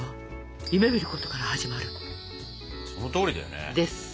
そのとおりだよね。です。